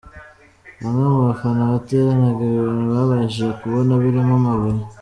Bamwe mu bafana bateranaga ibintu babashije kubona birimo amabuye.